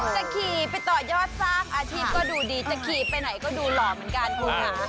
จะขี่ไปต่อยอดสร้างอาชีพก็ดูดีจะขี่ไปไหนก็ดูหล่อเหมือนกันคุณค่ะ